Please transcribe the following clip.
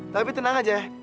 tapi tenang aja